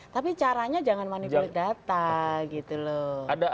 tapi caranya jangan manipulasi data gitu loh